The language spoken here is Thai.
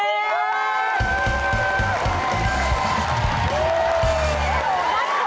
วู้